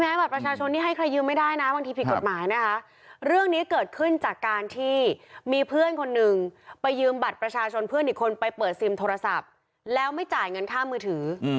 บัตรประชาชนที่ให้ใครยืมไม่ได้นะบางทีผิดกฎหมายนะคะเรื่องนี้เกิดขึ้นจากการที่มีเพื่อนคนหนึ่งไปยืมบัตรประชาชนเพื่อนอีกคนไปเปิดซิมโทรศัพท์แล้วไม่จ่ายเงินค่ามือถือ